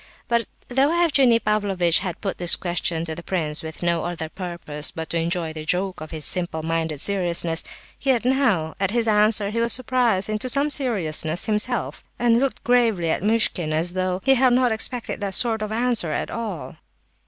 But though Evgenie Pavlovitch had put his questions to the prince with no other purpose but to enjoy the joke of his simple minded seriousness, yet now, at his answer, he was surprised into some seriousness himself, and looked gravely at Muishkin as though he had not expected that sort of answer at all.